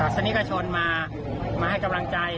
ซึ่งก็มีคนชนศาสนิกชนมาให้กำลังใจ